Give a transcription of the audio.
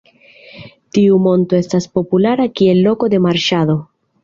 Tiu monto estas populara kiel loko de marŝado.